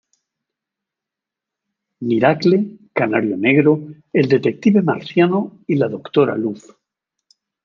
Miracle, Canario Negro, el Detective Marciano, y la Doctora Luz.